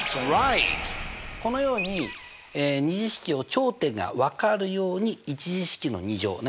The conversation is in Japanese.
このように２次式を頂点がわかるように１次式の２乗をね